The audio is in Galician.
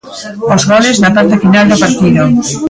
Os goles na parte final do partido.